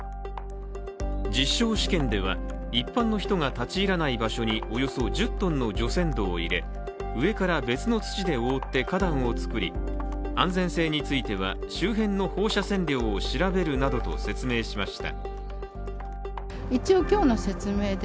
実証試験では、一般の人が立ち入らない場所におよそ１０トンの除染土を入れ、上から別の土で覆って花壇を作り、安全性については周辺の放射線量を調べるなどと説明しました。